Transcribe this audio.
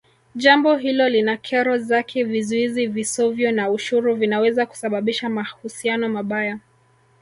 Jambo hilo lina kero zake vizuizi visovyo na ushuru vinaweza kusababisha mahusiano mabaya